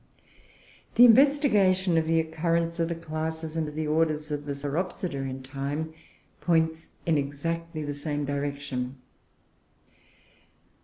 _ The investigation of the occurrence of the classes and of the orders of the Sauropsida in time points in exactly the same direction.